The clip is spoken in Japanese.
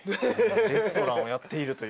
レストランをやっているという。